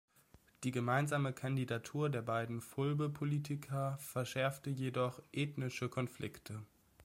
Die gemeinsame Kandidatur der beiden Fulbe-Politiker verschärfte jedoch ethnische Konflikte.